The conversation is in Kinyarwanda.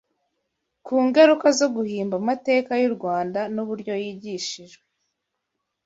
ku ngaruka zo guhimba amateka y’u Rwanda n’uburyo yigishijwe